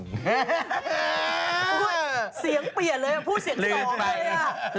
อุ๊ยเสียงเปลี่ยนเลยพูดเสียงที่ออกเลย